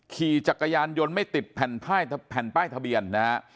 ขี่จักรยานยนต์ไม่ติดแผ่นป้ายแผ่นป้ายทะเบียนนะฮะ